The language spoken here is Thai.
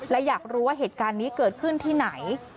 และอยากรู้ว่าเหตุการณ์นี้เกิดขึ้นที่ไหน